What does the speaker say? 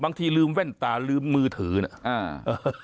บางทีลืมแว่นตาลืมมือถือน่ะอ่า